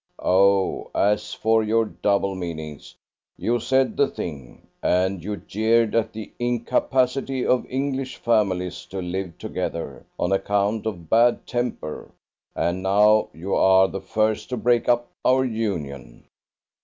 Oh, as for your double meanings, you said the thing, and you jeered at the incapacity of English families to live together, on account of bad temper; and now you are the first to break up our union!